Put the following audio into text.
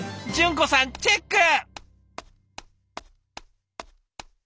淳子さんチェック！